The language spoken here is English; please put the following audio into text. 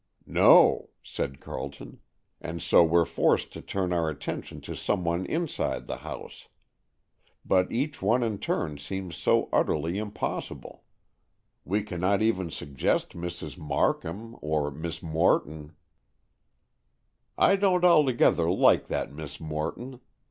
"No," said Carleton; "and so we're forced to turn our attention to some one inside the house. But each one in turn seems so utterly impossible. We cannot even suggest Mrs. Markham or Miss Morton——" "I don't altogether like that Miss Morton.